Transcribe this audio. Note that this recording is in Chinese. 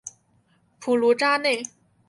普卢扎内。